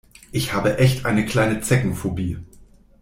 Ich habe echt eine kleine Zeckenphobie.